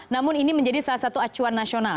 namun ini menjadi salah satu acuan nasional